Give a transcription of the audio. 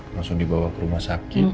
langsung dibawa ke rumah sakit